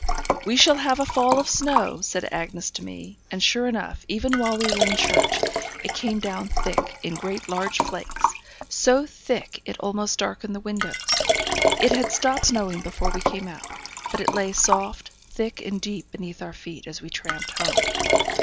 'We shall have a fall of snow,' said Bessy to me. And sure enough, even while we were in church, it came down thick, in great large flakes, so thick, it almost darkened the windows. It had stopped snowing before we came out, but it lay soft, thick and deep beneath our feet, as we tramped home.